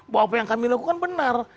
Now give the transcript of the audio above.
bahwa apa yang kami lakukan benar